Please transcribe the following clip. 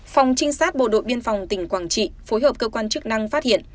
phòng trinh sát bộ đội biên phòng tỉnh quảng trị phối hợp cơ quan chức năng phát hiện